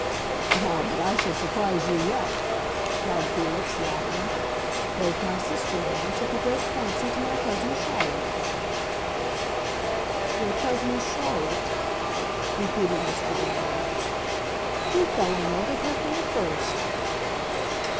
"Ah, but I shall surprise you yet!" cried Felix, laughing. "Both my sister and I took a great fancy to my cousin Charlotte." "Your cousin Charlotte?" repeated Mr. Brand. "We fell in love with her from the first!"